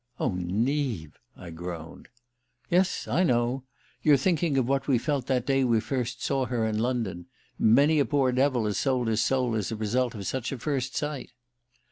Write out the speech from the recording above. "Oh, Neave," I groaned. "Yes, I know. You're thinking of what we felt that day we first saw her in London. Many a poor devil has sold his soul as the result of such a first sight!